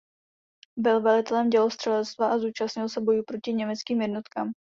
Byl velitelem dělostřelectva a zúčastnil se bojů proti německým jednotkám.